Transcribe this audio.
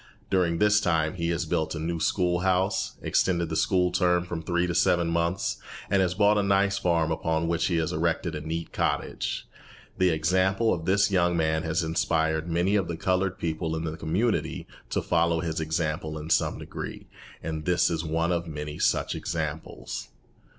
During this time he has built a new school house, extended the school term from three to seven months, and has bought a nice farm upon which he has erected a neat cottage. The example of this young man has inspired many of the coloured people in this community to follow his example in some degree; and this is one of many such examples.